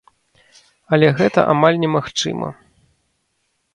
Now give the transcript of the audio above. Але гэта амаль немагчыма.